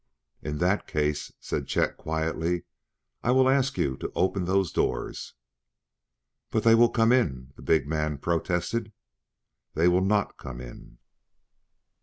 "In that case," said Chet quietly, "I will ask you to open those doors." "But they will come in!" the big man protested. "They will not come in."